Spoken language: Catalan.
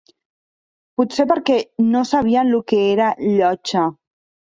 Pot ser perquè no sabien lo que era Llotja